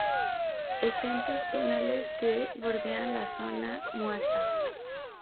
Está en sus túneles que bordean la Zona Muerta.